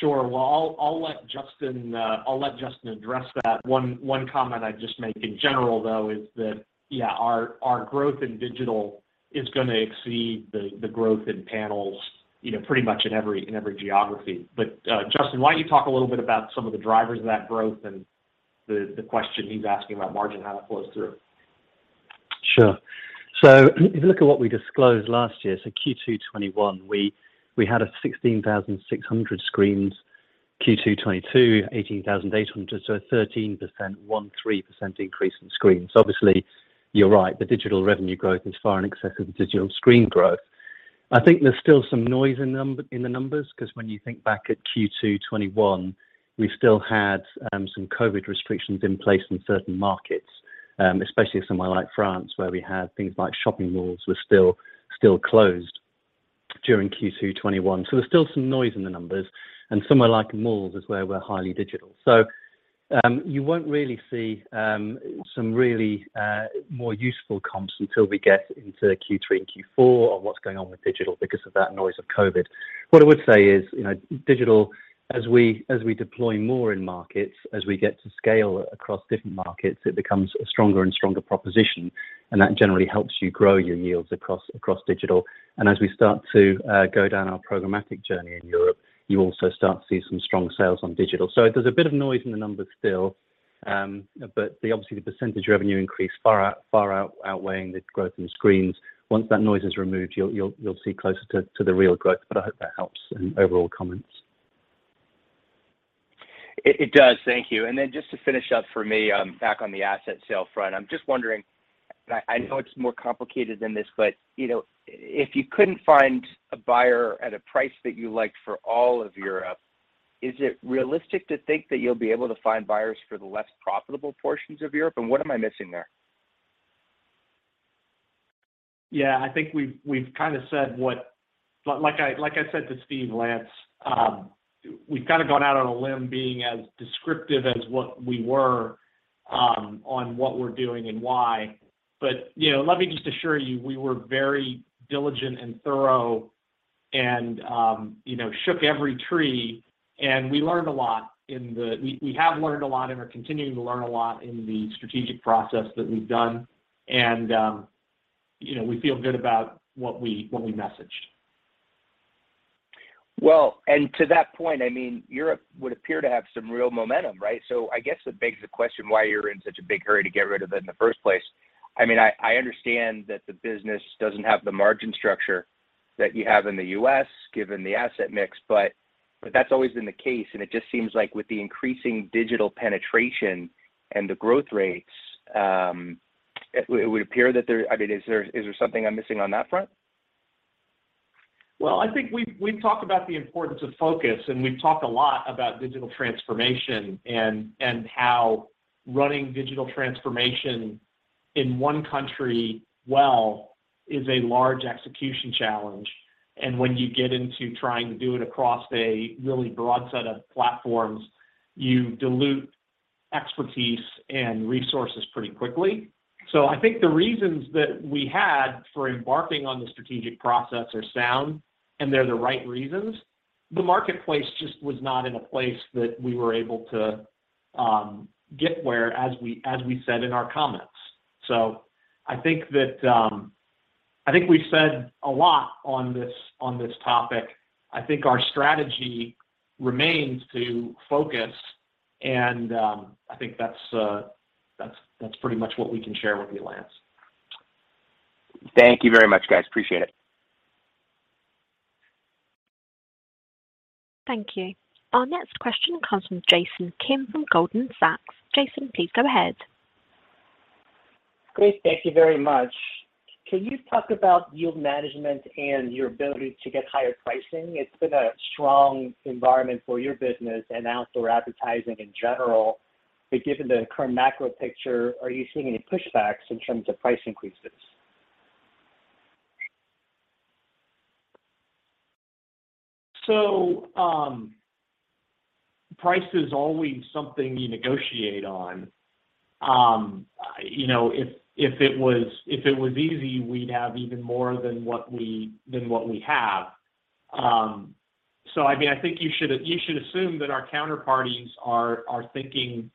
Sure. Well, I'll let Justin address that. One comment I'd just make in general, though, is that, yeah, our growth in digital is gonna exceed the growth in panels, you know, pretty much in every geography. Justin, why don't you talk a little bit about some of the drivers of that growth and the question he's asking about margin, how that flows through? Sure. If you look at what we disclosed last year, Q2 2021, we had 16,600 screens. Q2 2022, 18,800, so a 13% increase in screens. Obviously, you're right, the digital revenue growth is far in excess of digital screen growth. I think there's still some noise in the numbers, 'cause when you think back at Q2 2021, we still had some COVID restrictions in place in certain markets, especially somewhere like France, where we had things like shopping malls were still closed during Q2 2021. There's still some noise in the numbers, and somewhere like malls is where we're highly digital. You won't really see some really more useful comps until we get into Q3 and Q4 on what's going on with digital because of that noise of COVID. What I would say is, you know, digital, as we deploy more in markets, as we get to scale across different markets, it becomes a stronger and stronger proposition, and that generally helps you grow your yields across digital. As we start to go down our programmatic journey in Europe, you also start to see some strong sales on digital. There's a bit of noise in the numbers still, but obviously, the percentage revenue increase far outweighing the growth in screens. Once that noise is removed, you'll see closer to the real growth. I hope that helps in overall comments. It does. Thank you. Just to finish up for me, back on the asset sale front. I'm just wondering, I know it's more complicated than this, but, you know, if you couldn't find a buyer at a price that you liked for all of Europe, is it realistic to think that you'll be able to find buyers for the less profitable portions of Europe? What am I missing there? Yeah. I think we've kind of said. Like I said to Steven, Lance, we've kind of gone out on a limb being as descriptive as what we were on what we're doing and why. You know, let me just assure you, we were very diligent and thorough and you know, shook every tree, and we learned a lot. We have learned a lot and are continuing to learn a lot in the strategic process that we've done, and you know, we feel good about what we messaged. Well, to that point, I mean, Europe would appear to have some real momentum, right? I guess it begs the question why you're in such a big hurry to get rid of it in the first place. I mean, I understand that the business doesn't have the margin structure that you have in the U.S., given the asset mix, but that's always been the case, and it just seems like with the increasing digital penetration and the growth rates, it would appear. I mean, is there something I'm missing on that front? Well, I think we've talked about the importance of focus, and we've talked a lot about digital transformation and how running digital transformation in one country well is a large execution challenge. When you get into trying to do it across a really broad set of platforms, you dilute expertise and resources pretty quickly. I think the reasons that we had for embarking on the strategic process are sound, and they're the right reasons. The marketplace just was not in a place that we were able to get where as we said in our comments. I think that I think we've said a lot on this topic. I think our strategy remains to focus, and I think that's pretty much what we can share with you, Lance. Thank you very much, guys. Appreciate it. Thank you. Our next question comes from Jason Kim from Goldman Sachs. Jason, please go ahead. Great. Thank you very much. Can you talk about yield management and your ability to get higher pricing? It's been a strong environment for your business and outdoor advertising in general. Given the current macro picture, are you seeing any pushbacks in terms of price increases? Price is always something you negotiate on. You know, if it was easy, we'd have even more than what we have. I mean, I think you should assume that our counterparties are thinking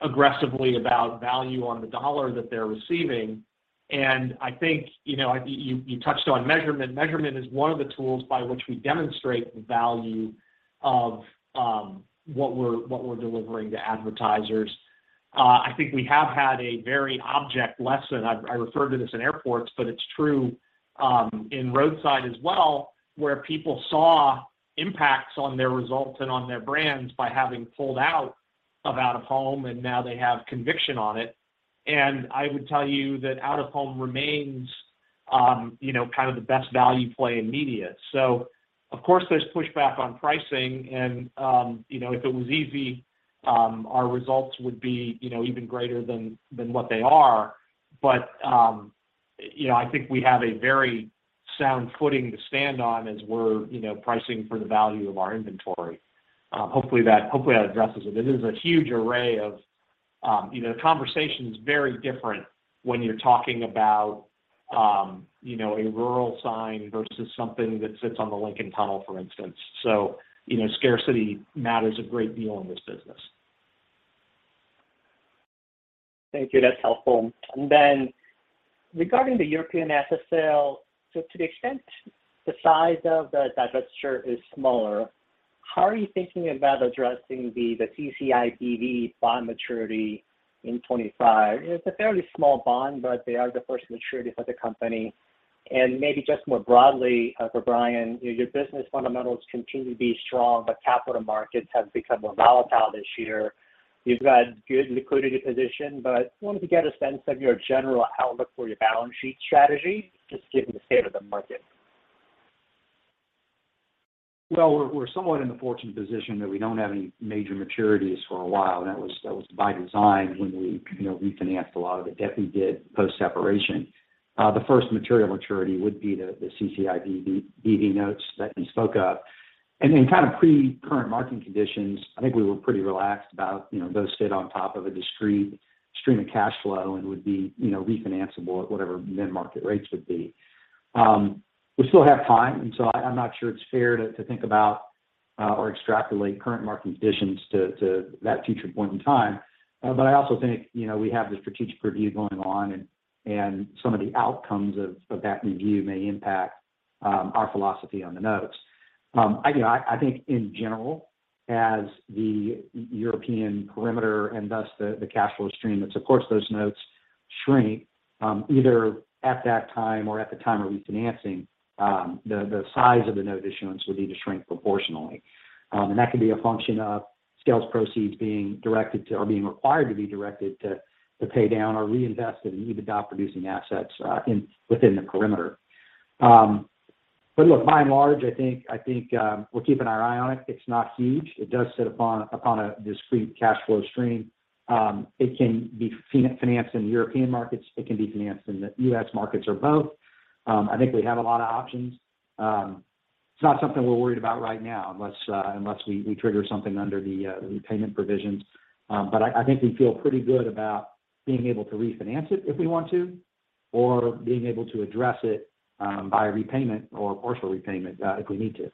aggressively about value on the dollar that they're receiving. I think, you know, you touched on measurement. Measurement is one of the tools by which we demonstrate the value of what we're delivering to advertisers. I think we have had a very object lesson. I referred to this in airports, but it's true in roadside as well, where people saw impacts on their results and on their brands by having pulled out of out-of-home, and now they have conviction on it. I would tell you that out-of-home remains, you know, kind of the best value play in media. Of course, there's pushback on pricing and, you know, if it was easy, our results would be, you know, even greater than what they are. I think we have a very sound footing to stand on as we're, you know, pricing for the value of our inventory. Hopefully that addresses it. It is a huge array of. You know, the conversation is very different when you're talking about, you know, a rural sign versus something that sits on the Lincoln Tunnel, for instance. You know, scarcity matters a great deal in this business. Thank you. That's helpful. Regarding the European asset sale, to the extent the size of the divestiture is smaller, how are you thinking about addressing the CCIBV bond maturity in 2025? It's a fairly small bond, but they are the first maturity for the company. Maybe just more broadly for Brian, your business fundamentals continue to be strong, but capital markets have become more volatile this year. You've got good liquidity position, but wanted to get a sense of your general outlook for your balance sheet strategy, just given the state of the market. We're somewhat in the fortunate position that we don't have any major maturities for a while, and that was by design when we, you know, refinanced a lot of the debt we did post-separation. The first material maturity would be the CCIBV notes that you spoke of. In current market conditions, I think we were pretty relaxed about, you know, those sit on top of a discrete stream of cash flow and would be, you know, refinanceable at whatever then market rates would be. We still have time, so I'm not sure it's fair to think about or extrapolate current market conditions to that future point in time. I also think, you know, we have the strategic review going on and some of the outcomes of that review may impact our philosophy on the notes. Again, I think in general, as the European perimeter and thus the cash flow stream that supports those notes shrink, either at that time or at the time of refinancing, the size of the note issuance would need to shrink proportionally. That could be a function of sales proceeds being directed to or being required to be directed to pay down or reinvest in EBITDA-producing assets within the perimeter. Look, by and large, I think we're keeping our eye on it. It's not huge. It does sit upon a discrete cash flow stream. It can be financed in European markets, it can be financed in the U.S. markets or both. I think we have a lot of options. It's not something we're worried about right now unless we trigger something under the repayment provisions. I think we feel pretty good about being able to refinance it if we want to, or being able to address it by repayment or partial repayment if we need to.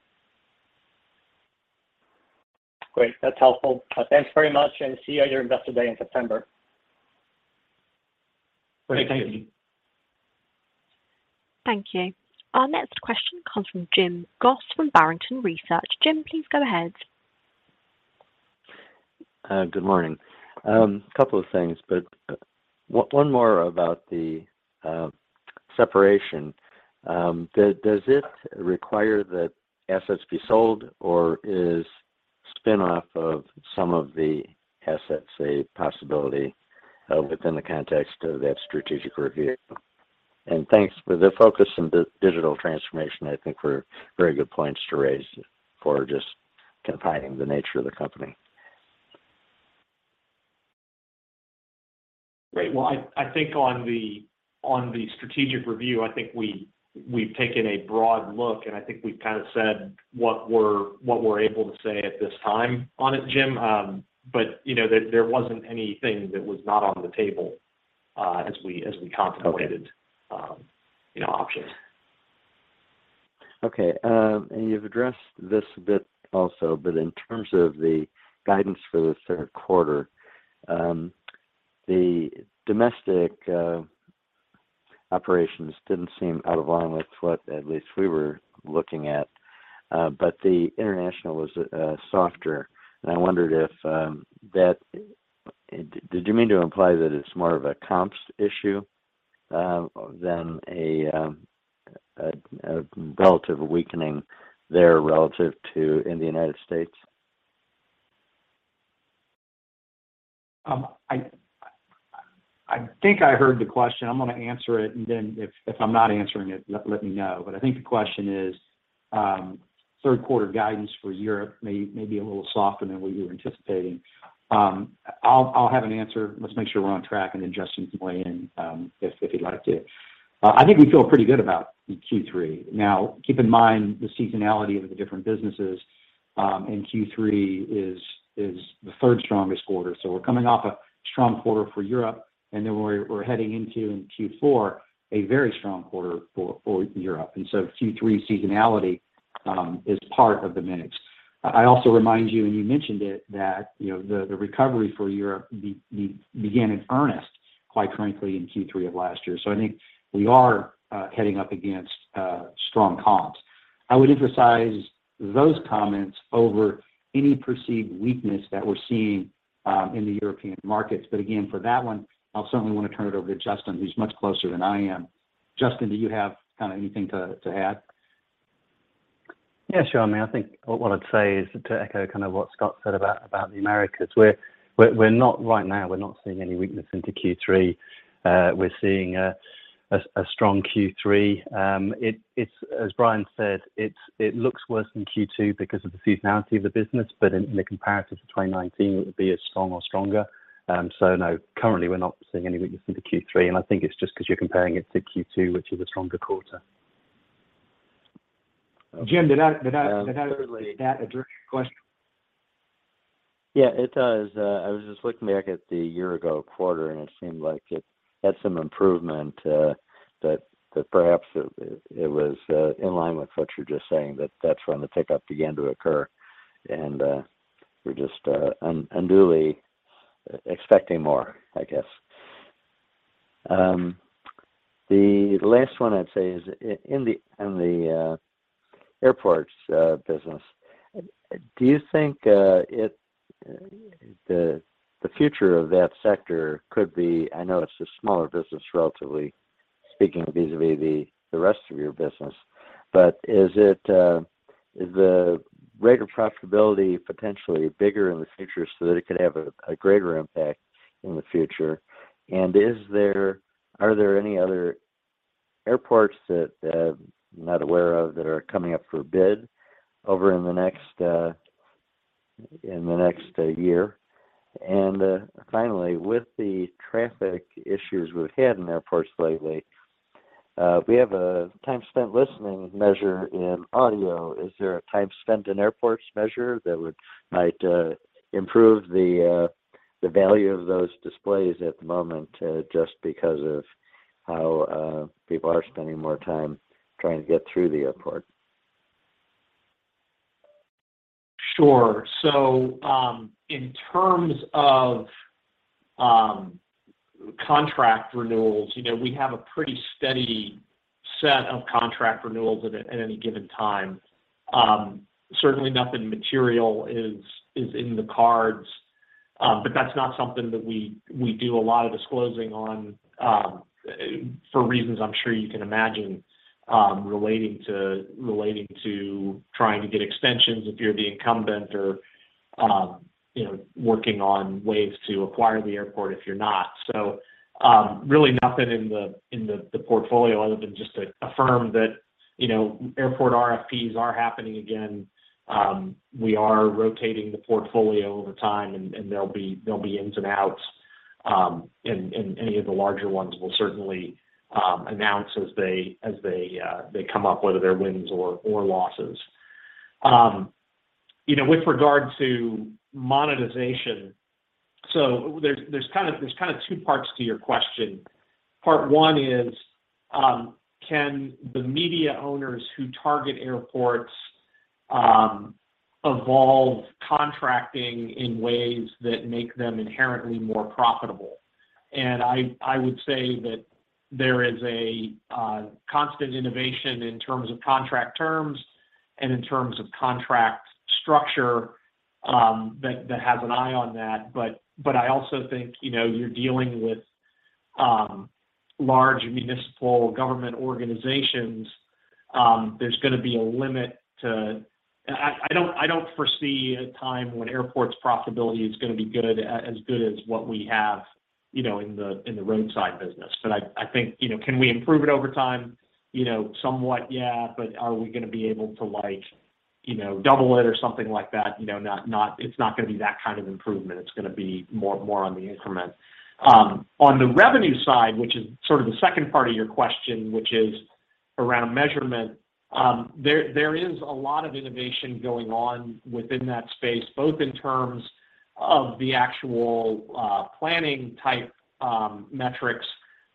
Great. That's helpful. Thanks very much, and see you at your Investor Day in September. Great. Thank you. Thank you. Our next question comes from Jim Goss from Barrington Research. Jim, please go ahead. Good morning. Couple of things, but one more about the separation. Does it require that assets be sold or is spin-off of some of the assets a possibility within the context of that strategic review? Thanks for the focus on the digital transformation. I think we're very good points to raise for just kind of finding the nature of the company. Great. Well, I think on the strategic review, I think we've taken a broad look, and I think we've kind of said what we're able to say at this time on it, Jim. You know, there wasn't anything that was not on the table, as we contemplate. You know, options. Okay. You've addressed this a bit also, but in terms of the guidance for the third quarter, the domestic operations didn't seem out of line with what at least we were looking at, but the international was softer. Did you mean to imply that it's more of a comps issue than a relative weakening there relative to in the United States? I think I heard the question. I'm gonna answer it, and then if I'm not answering it, let me know. I think the question is, third quarter guidance for Europe may be a little softer than what you're anticipating. I'll have an answer. Let's make sure we're on track, and then Justin can weigh in, if he'd like to. I think we feel pretty good about Q3. Now, keep in mind the seasonality of the different businesses, and Q3 is the third strongest quarter. We're coming off a strong quarter for Europe, and then we're heading into Q4, a very strong quarter for Europe. Q3 seasonality is part of the mix. I also remind you, and you mentioned it, that, you know, the recovery for Europe began in earnest, quite frankly, in Q3 of last year. I think we are heading up against strong comps. I would emphasize those comments over any perceived weakness that we're seeing in the European markets. Again, for that one, I'll certainly want to turn it over to Justin, who's much closer than I am. Justin, do you have kind of anything to add? Yeah, sure, I mean, I think what I'd say is to echo kind of what Scott said about the Americas. Right now, we're not seeing any weakness into Q3. We're seeing a strong Q3. It's, as Brian said, it looks worse than Q2 because of the seasonality of the business, but in the comparative to 2019, it would be as strong or stronger. No, currently we're not seeing any weakness into Q3, and I think it's just 'cause you're comparing it to Q2, which is a stronger quarter. Jim, did I? Certainly. Does that address your question? Yeah, it does. I was just looking back at the year-ago quarter, and it seemed like it had some improvement that perhaps it was in line with what you're just saying, that that's when the pickup began to occur. We're just unduly expecting more, I guess. The last one I'd say is in the Airports business, do you think the future of that sector could be? I know it's a smaller business relatively speaking vis-à-vis the rest of your business. Is the rate of profitability potentially bigger in the future so that it could have a greater impact in the future? Are there any other airports that I'm not aware of that are coming up for bid over in the next year? Finally, with the traffic issues we've had in airports lately, we have a time spent listening measure in audio. Is there a time spent in airports measure that would might improve the value of those displays at the moment, just because of how people are spending more time trying to get through the airport? Sure. In terms of contract renewals, you know, we have a pretty steady set of contract renewals at any given time. Certainly nothing material is in the cards, but that's not something that we do a lot of disclosing on, for reasons I'm sure you can imagine, relating to trying to get extensions if you're the incumbent or, you know, working on ways to acquire the airport if you're not. Really nothing in the portfolio other than just to affirm that, you know, airport RFPs are happening again. We are rotating the portfolio over time and there'll be ins and outs in any of the larger ones. We'll certainly announce as they come up, whether they're wins or losses. You know, with regard to monetization, there's kind of two parts to your question. Part one is, can the media owners who target airports, evolve contracting in ways that make them inherently more profitable? I don't foresee a time when airports profitability is gonna be good, as good as what we have, you know, in the roadside business. I think, you know, can we improve it over time? You know, somewhat, yeah. Are we gonna be able to, like, you know, double it or something like that. You know, not. It's not gonna be that kind of improvement. It's gonna be more on the increment. On the revenue side, which is sort of the second part of your question, which is around measurement, there is a lot of innovation going on within that space, both in terms of the actual planning type metrics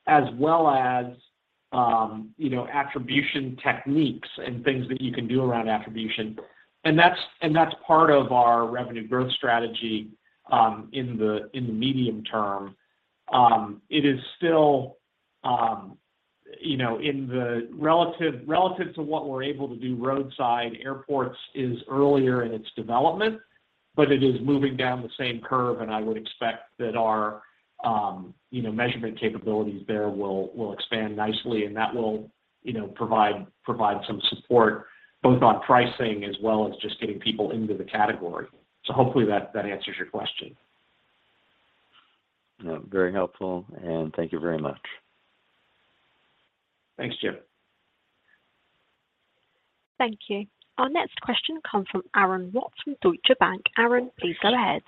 as well as, you know, attribution techniques and things that you can do around attribution. And that's part of our revenue growth strategy in the medium term. It is still, you know, relative to what we're able to do roadside, airports is earlier in its development, but it is moving down the same curve. I would expect that our you know measurement capabilities there will expand nicely, and that will you know provide some support both on pricing as well as just getting people into the category. Hopefully that answers your question. Yeah. Very helpful, and thank you very much. Thanks, Jim. Thank you. Our next question comes from Aaron Watts from Deutsche Bank. Aaron, please go ahead.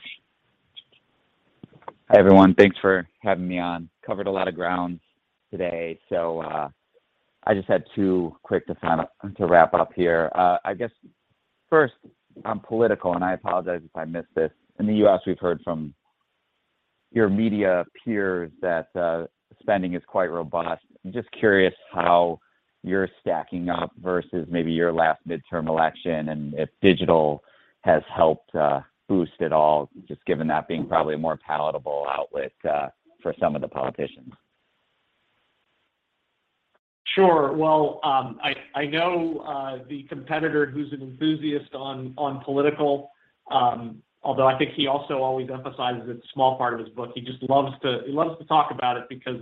Hi, everyone. Thanks for having me on. Covered a lot of ground today, so I just had two quick things to wrap up here. I guess first on political, and I apologize if I missed this. In the U.S., we've heard from your media peers that spending is quite robust. I'm just curious how you're stacking up versus maybe your last midterm election and if digital has helped boost at all, just given that being probably a more palatable outlet for some of the politicians. Sure. Well, I know the competitor who's an enthusiast on political, although I think he also always emphasizes it's a small part of his book. He just loves to talk about it because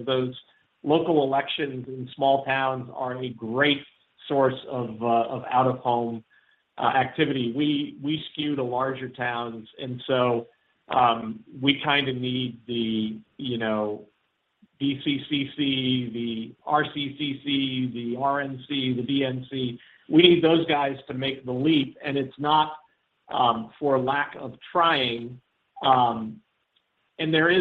those local elections in small towns are a great source of out-of-home activity. We skew to larger towns, and so we kind of need the, you know, DCCC, the RCTC, the RNC, the DNC. We need those guys to make the leap, and it's not for lack of trying. And there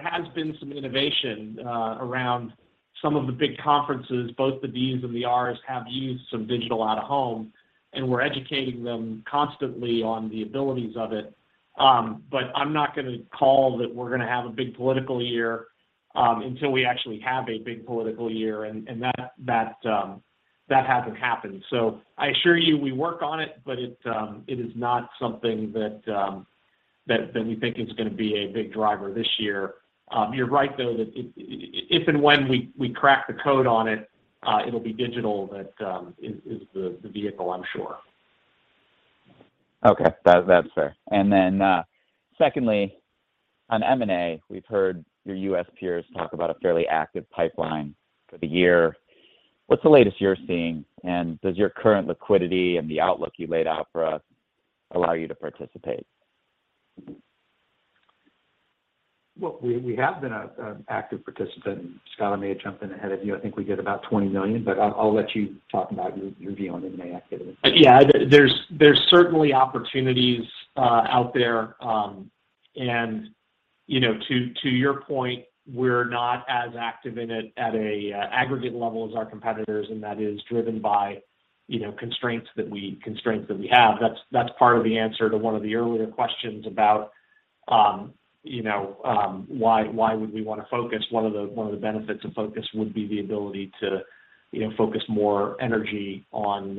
has been some innovation around some of the big conferences. Both the Ds and the Rs have used some digital out-of-home, and we're educating them constantly on the abilities of it. I'm not gonna call that we're gonna have a big political year until we actually have a big political year. That hasn't happened. I assure you we work on it, but it is not something that we think is gonna be a big driver this year. You're right, though, that if and when we crack the code on it'll be digital that is the vehicle, I'm sure. Okay. That's fair. Secondly, on M&A, we've heard your U.S. peers talk about a fairly active pipeline for the year. What's the latest you're seeing, and does your current liquidity and the outlook you laid out for us allow you to participate? Well, we have been an active participant. Scott may have jumped in ahead of you. I think we did about $20 million, but I'll let you talk about your view on M&A activity. Yeah. There's certainly opportunities out there. You know, to your point, we're not as active in it at an aggregate level as our competitors, and that is driven by, you know, constraints that we have. That's part of the answer to one of the earlier questions about, you know, why would we wanna focus. One of the benefits of focus would be the ability to, you know, focus more energy on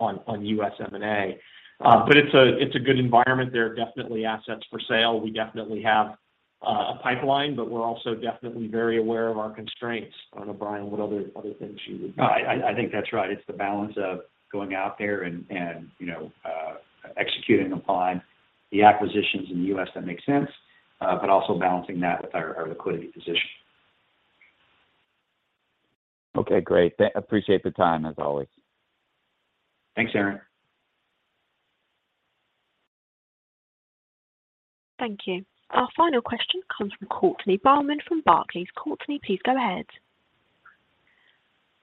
U.S. M&A. But it's a good environment. There are definitely assets for sale. We definitely have a pipeline, but we're also definitely very aware of our constraints. I don't know, Brian, what other things you would No. I think that's right. It's the balance of going out there and, you know, executing upon the acquisitions in the U.S. that make sense, but also balancing that with our liquidity position. Okay. Great. Appreciate the time, as always. Thanks, Aaron. Thank you. Our final question comes from Kannan Venkateshwar from Barclays. Kannan, please go ahead.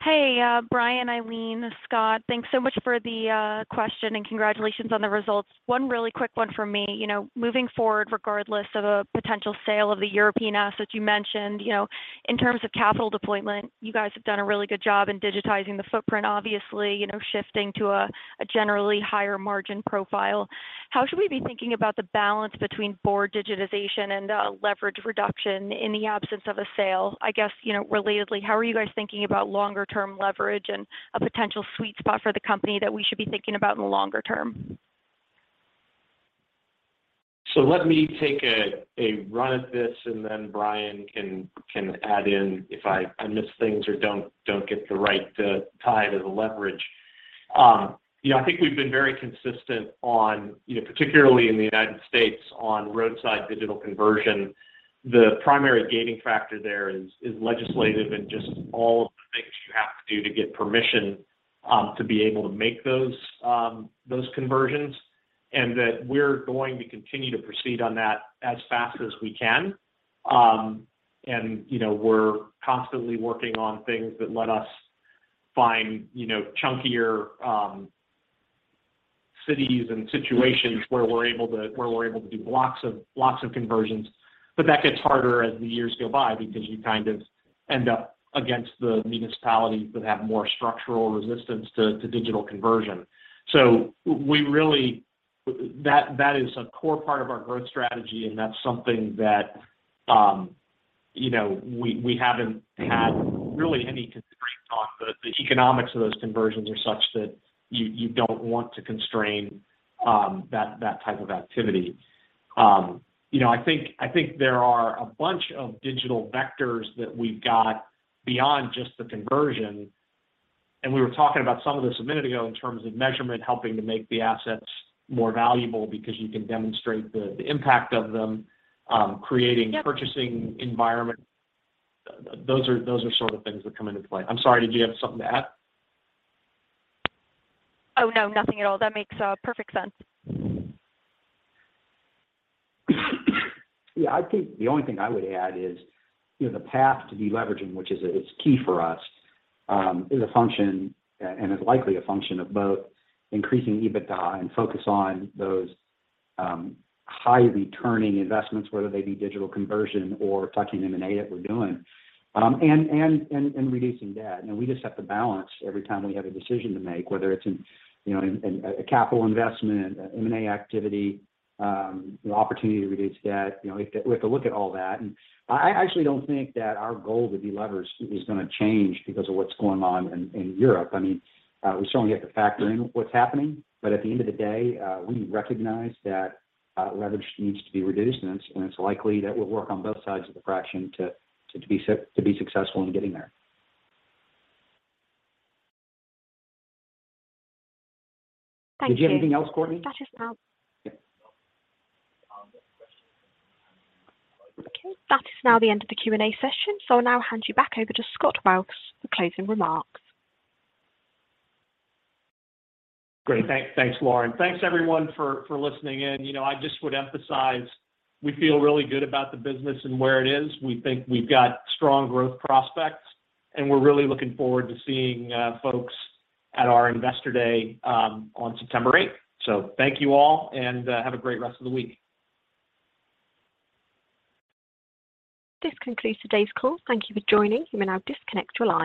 Hey, Brian, Eileen, Scott. Thanks so much for the question, and congratulations on the results. One really quick one from me. You know, moving forward, regardless of a potential sale of the European assets you mentioned, you know, in terms of capital deployment, you guys have done a really good job in digitizing the footprint, obviously, you know, shifting to a generally higher margin profile. How should we be thinking about the balance between broad digitization and leverage reduction in the absence of a sale? I guess, you know, relatedly, how are you guys thinking about longer term leverage and a potential sweet spot for the company that we should be thinking about in the longer term? Let me take a run at this, and then Brian can add in if I miss things or don't get the right tie to the leverage. You know, I think we've been very consistent on, you know, particularly in the United States, on roadside digital conversion. The primary gating factor there is legislative and just all of the things you have to do to get permission to be able to make those conversions. That we're going to continue to proceed on that as fast as we can. You know, we're constantly working on things that let us find, you know, chunkier cities and situations where we're able to do blocks of conversions. That gets harder as the years go by because you kind of end up against the municipalities that have more structural resistance to digital conversion. That is a core part of our growth strategy, and that's something that, you know, we haven't had really any constraints on. The economics of those conversions are such that you don't want to constrain that type of activity. You know, I think there are a bunch of digital vectors that we've got beyond just the conversion. We were talking about some of this a minute ago in terms of measurement helping to make the assets more valuable because you can demonstrate the impact of them, creating. Yeah. Purchasing environment. Those are sort of things that come into play. I'm sorry, did you have something to add? Oh, no. Nothing at all. That makes perfect sense. Yeah. I think the only thing I would add is, you know, the path to deleveraging, which is, it's key for us, is a function and is likely a function of both increasing EBITDA and focus on those, high returning investments, whether they be digital conversion or tuck-in M&A that we're doing, and reducing debt. You know, we just have to balance every time we have a decision to make, whether it's in, you know, a capital investment, M&A activity, the opportunity to reduce debt. You know, we have to look at all that. I actually don't think that our goal to deleverage is gonna change because of what's going on in Europe. I mean, we certainly have to factor in what's happening. At the end of the day, we recognize that leverage needs to be reduced, and it's likely that we'll work on both sides of the fraction to be successful in getting there. Thank you. Did you have anything else, [Lauren]? That is all. Okay. That is now the end of the Q&A session. I'll now hand you back over to Scott Wells for closing remarks. Great. Thanks, Lauren. Thanks everyone for listening in. You know, I just would emphasize we feel really good about the business and where it is. We think we've got strong growth prospects, and we're really looking forward to seeing folks at our Investor Day on September 8th. Thank you all, and have a great rest of the week. This concludes today's call. Thank you for joining. You may now disconnect your line.